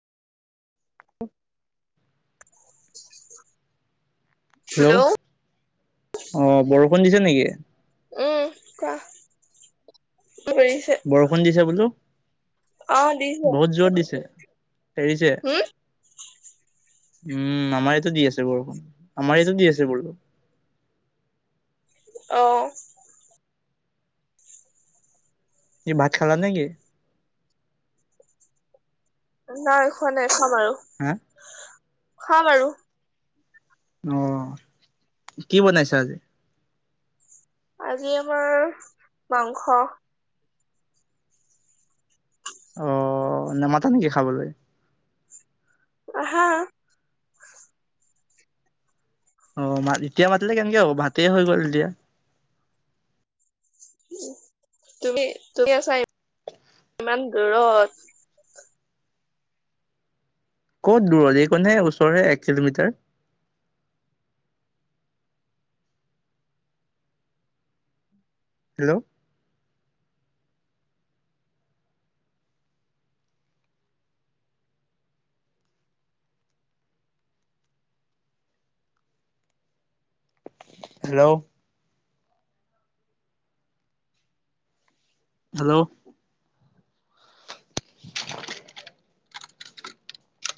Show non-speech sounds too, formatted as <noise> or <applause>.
<inaudible> Hello, অঁ বৰষুণ দিছে নেকি? উম কোৱা, <unintelligible> পৰিছে। বৰষুণ দিছে বোলো। অ দিছে বহুত জোৰত দিছে, এৰিছে। হম উম আমাৰ ইয়াতো দি আছে বৰষুণ, আমাৰ ইয়াতো দি আছে বোলো। অ। কি ভাত খালা নেকি? নাই খোৱা নাই খাম আৰু। হা? খাম আৰু। অ, কি বনাইছা আজি? আজি আমাৰ মাংস। অ নেমাতা নেকি খাবলৈ? আহা। অ মা এতিয়া মাতিলে কেনেকে হ'ব ভাতে হৈ গ'ল এতিয়া। ওম তুমি তুমি আছা ইমান দূৰত। ক'ত দূৰত এই কণহে ওচৰে এক কিলোমিটাৰ। হেল্ল'? হেল্ল'? হেল্ল'?